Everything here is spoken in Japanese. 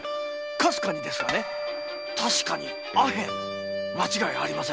かすかにですが「アヘン」間違いありません。